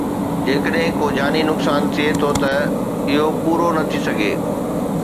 جيڪڏهن ڪو جاني نقصان ٿئي ٿو ته اهو پورو نه ٿي سگهي